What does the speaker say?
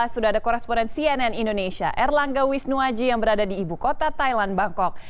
sudah ada koresponen cnn indonesia erlangga wisnuaji yang berada di ibu kota thailand bangkok